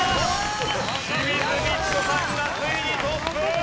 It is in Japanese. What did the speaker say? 清水ミチコさんがついにトップ！